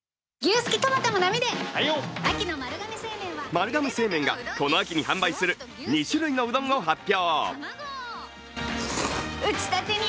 丸亀製麺が、この秋に販売する２種類のうどんを発表。